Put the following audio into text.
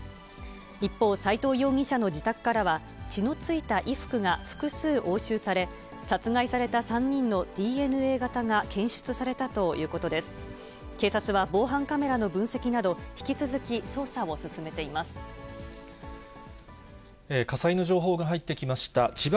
一方、斎藤容疑者の自宅からは、血の付いた衣服が複数押収され、殺害された３人のＤＮＡ型が検出されたということです。